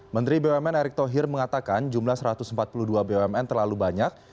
menteri bumn erick thohir mengatakan jumlah satu ratus empat puluh dua bumn terlalu banyak